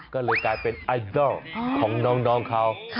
ก็เลยกลายเป็นไอดอลของน้องเขา